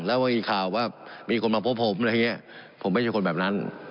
แล้วเมื่อกี้ข่าวว่ามีคนมาพบผมผมไม่ใช่คนแบบนั้น